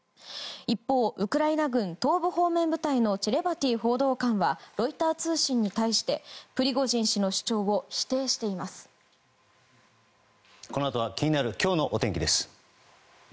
一方、ウクライナ軍東部方面部隊のチェレバティ報道官はロイター通信に対してプリゴジン氏の主張を否定しています。女性）